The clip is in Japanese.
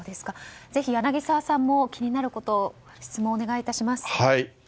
ぜひ柳澤さんも気になることを質問お願いします。